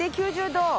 ９０度。